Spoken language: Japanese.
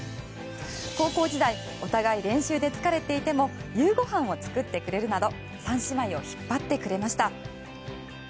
高校時代お互い練習で疲れていても夕ごはんを作ってくれるなど三姉妹を引っ張ってくれました。